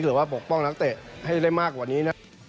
ว่าปกป้องนักเตะให้ได้มากกว่านี้นะ